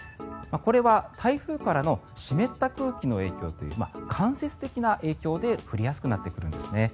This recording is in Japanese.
これは台風からの湿った空気の影響という間接的な影響で降りやすくなってくるんですね。